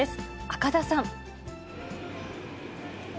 赤田さん。